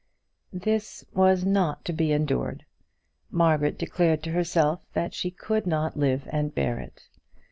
This was not to be endured. Margaret declared to herself that she could not live and bear it.